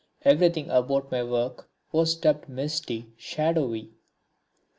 Everything about my work was dubbed misty, shadowy.